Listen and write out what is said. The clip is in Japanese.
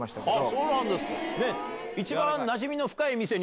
そうなんですよ。